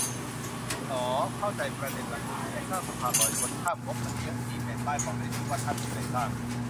อ้อ เข้าใจประเด็นล่ะ อืมใช่ สร้างสะพานลอยคนข้าม งบมันเยอะดี แปะป้ายบอกได้ด้วย ว่าท่านผู้ใดสร้าง